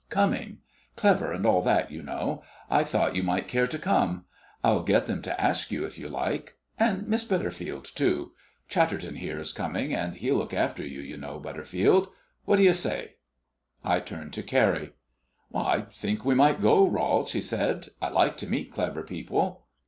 "coming clever, and all that, you know; I thought you might care to come. I'll get them to ask you, if you like. And Miss Butterfield, too; Chatterton here is coming, and he'll look after you, you know, Butterfield. What do you say?" I turned to Carrie. "I think we might go, Rol," she said. "I like to meet clever people."